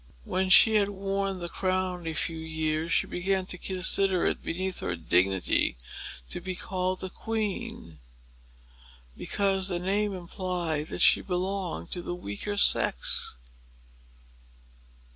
When she had worn the crown a few years, she began to consider it beneath her dignity to be called a queen, because the name implied that she belonged to the weaker sex.